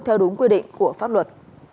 theo đúng quy định của pháp luật